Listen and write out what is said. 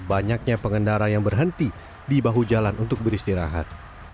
banyaknya pengendara yang berhenti di bahu jalan untuk beristirahat